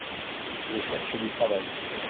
Je cherche du travail.